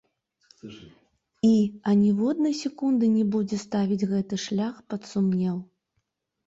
І аніводнай секунды не будзе ставіць гэты шлях пад сумнеў.